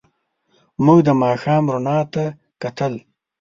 موږ د ماښام رڼا ته کتل.